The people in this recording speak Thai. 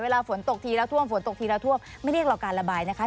เวลาฝนตกทีแล้วท่วมฝนตกทีละท่วมไม่เรียกเราการระบายนะคะ